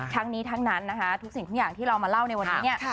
ทั้งนี้ทั้งนั้นนะคะทุกสิ่งทุกอย่างที่เรามาเล่าในวันนี้เนี่ย